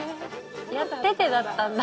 やっててだったんだ。